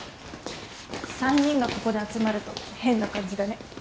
３人がここで集まると変な感じだね。